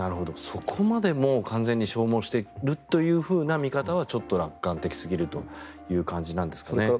そこまでもう完全に消耗しているという見方はちょっと楽観的すぎるという感じなんですかね。